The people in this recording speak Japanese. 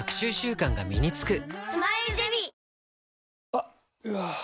あっ、うわー。